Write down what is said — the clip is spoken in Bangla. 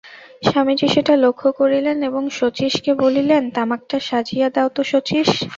স্বামীজি সেটা লক্ষ্য করিলেন এবং শচীশকে বলিলেন, তামাকটা সাজিয়া দাও তো শচীশ।